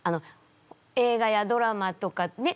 映画やドラマとかねっ？